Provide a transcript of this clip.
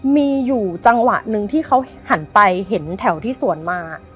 มีอยู่จังหวะหนึ่งที่เขาหันไปเห็นแถวที่สวนมา